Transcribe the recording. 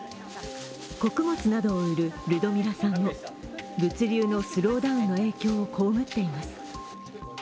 穀物などを売るルドミラさんも物流のスローダウンの影響を被っています。